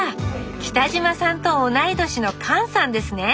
北島さんと同い年の勘さんですね。